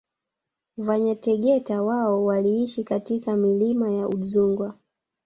Vanyategeta wao waliishi katika milima ya Udzungwa